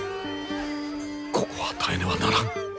ここは耐えねばならぬ。